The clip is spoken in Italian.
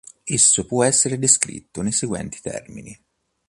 Esso può essere descritto nei seguenti termini.